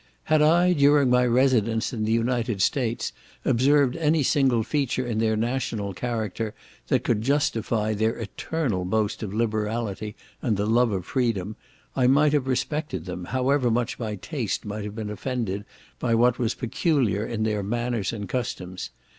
Had I, during my residence in the United States, observed any single feature in their national character that could justify their eternal boast of liberality and the love of freedom, I might have respected them, however much my taste might have been offended by what was peculiar in their manners and customs.